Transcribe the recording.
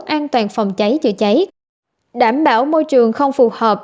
an toàn phòng cháy chữa cháy đảm bảo môi trường không phù hợp